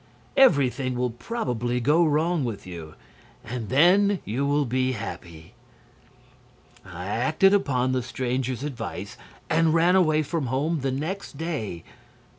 Everything will probably go wrong with you, and then you will be happy.' "I acted upon the stranger's advice and ran away from home the next day.